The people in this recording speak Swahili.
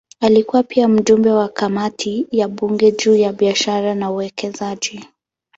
Alikuwa pia mjumbe wa kamati ya bunge juu ya biashara na uwekezaji.